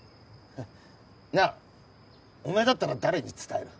なあお前だったら誰に伝える？